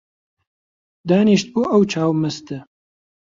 دانیشتبوو ئەو چاو مەستە